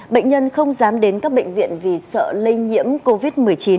bệnh nhân không dám đến các bệnh viện vì sợ lây nhiễm covid một mươi chín